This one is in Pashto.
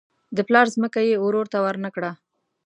د پلار ځمکه یې ورور ته ورنه کړه.